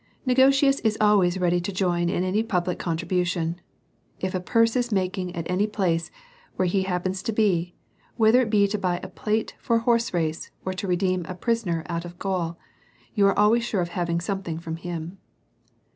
Negotius is always ready to join in any public con tribution. If a purse is making at any place where he happens to be, whether it be to buy a plate for a horse race, or to redeem a prisoner out of jail, you are always sure of having something from him.